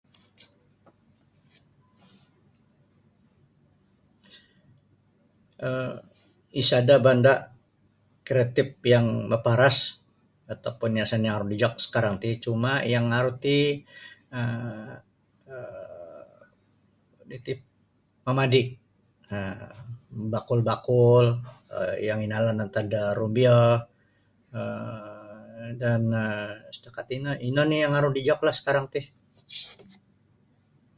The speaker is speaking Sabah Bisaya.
um isada' banda' kreatif yang maparas ataupun hiasan yang aru dijok sakarang ti cuma yang aru ti um nu iti mamadi' um bakul-bakul um yang inalan antad da rumbio um dan setakat ino ino oni yang aru dijok sakarang ti.